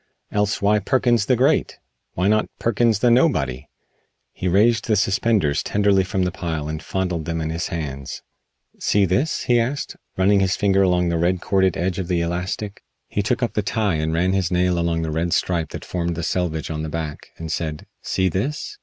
Else why Perkins the Great? Why not Perkins the Nobody?" He raised the suspenders tenderly from the pile and fondled them in his hands. "See this?" he asked, running his finger along the red corded edge of the elastic. He took up the tie and ran his nail along the red stripe that formed the selvedge on the back, and said: "See this?"